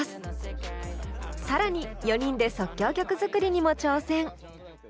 更に４人で即興曲作りにも挑戦。